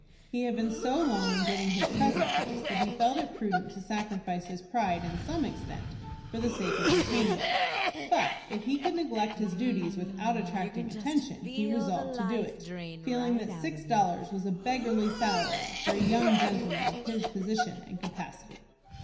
He had been so long in getting his present place, that he felt it prudent to sacrifice his pride in some extent for the sake of retaining it. But if he could neglect his duties without attracting attention, he resolved to do it, feeling that six dollars was a beggarly salary for a young gentleman of his position and capacity.